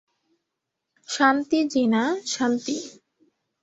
শান্তি জী না, শান্তি।